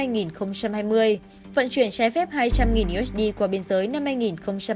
vận chuyển trái phép hai trăm linh usd qua biên giới năm hai nghìn hai mươi